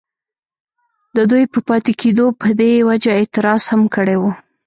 ددوي پۀ پاتې کيدو پۀ دې وجه اعتراض هم کړی وو،